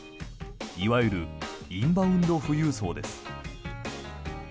いわゆるインバウンド富裕層です。